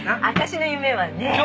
私の夢はね。